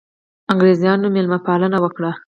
انګرېزانو مېلمه پالنه وکړه.